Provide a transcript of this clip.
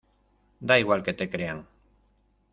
¡ da igual que te crean!